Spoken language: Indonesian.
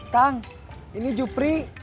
kang ini jupri